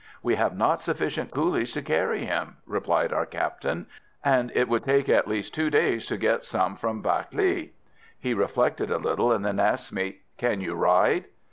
"We have not sufficient coolies to carry him," replied our Captain; "and it would take at least two days to get some from Bac Lé." He reflected a little, and then asked me: "Can you ride?"